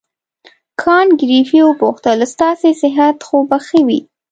کانت ګریفي وپوښتل ستاسې صحت خو به ښه وي.